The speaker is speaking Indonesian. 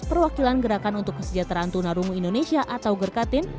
perwakilan gerakan untuk kesejahteraan tunarungu indonesia atau gerkatin